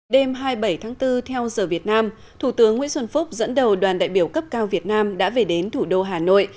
đêm hai mươi bảy tháng bốn theo giờ việt nam thủ tướng nguyễn xuân phúc dẫn đầu đoàn đại biểu cấp cao việt nam đã về đến thủ đô hà nội